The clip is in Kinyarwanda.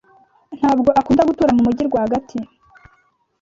Ntabwo akunda gutura mu mujyi rwagati.